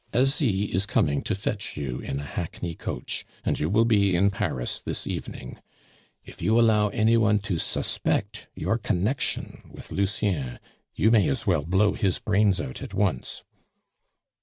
"Asie is coming to fetch you in a hackney coach, and you will be in Paris this evening. If you allow any one to suspect your connection with Lucien, you may as well blow his brains out at once.